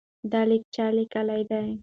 دا لیک چا لیکلی دی؟